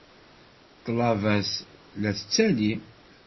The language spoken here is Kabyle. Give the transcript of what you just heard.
Ṭṭlaba-s la tettali.